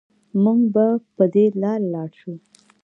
مونږ به په دې لارې لاړ شو